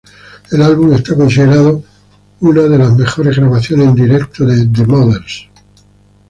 El álbum está considerado una de las mejores grabaciones en directo de The Mothers.